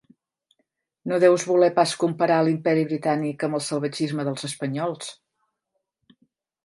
No deus voler pas comparar l'imperi britànic amb el salvatgisme dels espanyols!